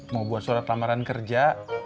mau buat surat lamaran kerja